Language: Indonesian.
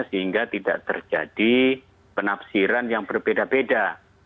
sehingga tidak terjadi penafsiran yang berbeda beda